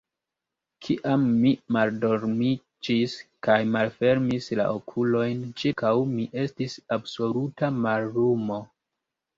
Kiam mi maldormiĝis kaj malfermis la okulojn, ĉirkaŭ mi estis absoluta mallumo.